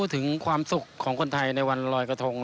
สวัสดีครับ